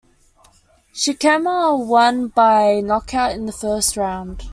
Sikahema won by knockout in the first round.